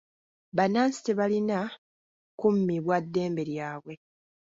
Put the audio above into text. Bannansi tebalina kummibwa ddembe lyabwe.